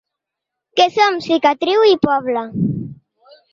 Que som cicatriu i poble.